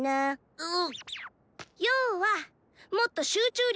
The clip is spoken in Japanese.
うん。